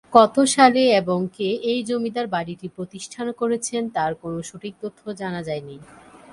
কত সালে এবং কে এই জমিদার বাড়িটি প্রতিষ্ঠা করেছেন তার কোন সঠিক তথ্য জানা যায়নি।